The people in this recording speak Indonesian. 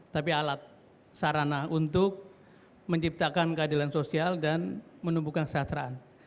tapi alat sarana untuk menciptakan keadilan sosial dan menumbuhkan kesejahteraan